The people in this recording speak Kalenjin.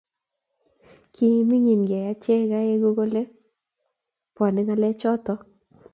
Kingingen achek aengu kole bwanee ngalechoto